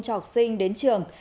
cho học sinh đến trường